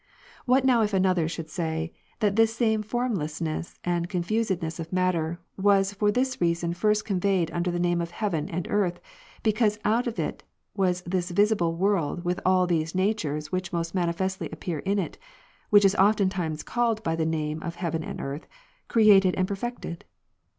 25, What now if another should say, "That this same formlessness and confusedness of matter, was for this reason first conveyed under the name oi heaven and earth, because out of it was this visible world with all those natures which most manifestly appear in it, which is ofttimes called by the name of heaven and earth, created and perfected